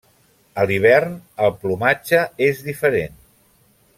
A l'hivern, el plomatge és diferent.